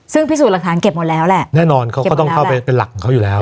ซึ่งพิสูจน์หลักฐานเก็บหมดแล้วแหละแน่นอนเขาก็ต้องเข้าไปเป็นหลักของเขาอยู่แล้ว